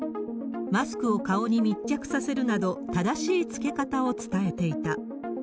マスクを顔に密着させるなど、正しい着け方を伝えていた。